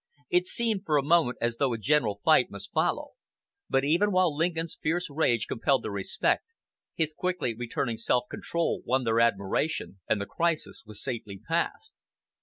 It seemed for a moment as though a general fight must follow; but even while Lincoln's fierce rage compelled their respect, his quickly returning self control won their admiration, and the crisis was safely passed.